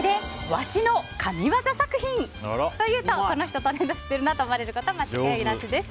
わしのカミワザ作品！と言うと、この人、トレンド知ってるなと思われること間違いなしです。